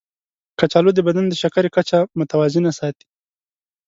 کچالو د بدن د شکرې کچه متوازنه ساتي.